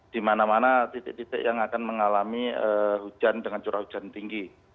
di mana mana titik titik yang akan mengalami hujan dengan curah hujan tinggi